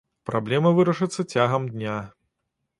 Праблема вырашыцца цягам дня.